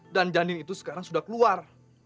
dan janin itu sekarang sudah keluar